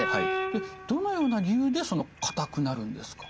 でどのような理由で硬くなるんですか？